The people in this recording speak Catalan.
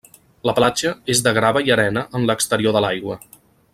La platja és de grava i arena en l'exterior de l'aigua.